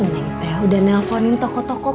neng teh udah nelponin toko toko